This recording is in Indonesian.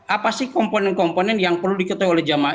apa sih komponen komponen yang perlu diketahui oleh jamaah